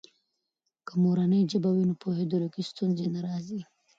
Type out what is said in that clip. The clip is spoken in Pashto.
که مورنۍ ژبه وي، نو پوهیدلو کې ستونزې نه راځي.